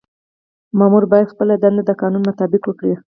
مامور باید خپله دنده د قانون مطابق وکړي.